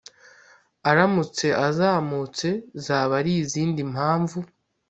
aramutse azamutse zaba ari izindi mpamvu